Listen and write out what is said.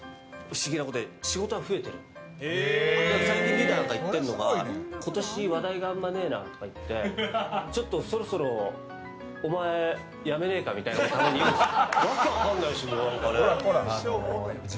リーダーと最近言っているのが今年、話題があんまねえなとか言ってちょっとそろそろお前やめねえかみたいな言うんですよ。